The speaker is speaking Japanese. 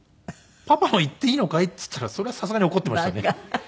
「パパも行っていいのかい？」って言ったらそれはさすがに怒っていましたね。